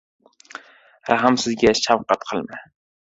— Rahmsizga shafqat qilma.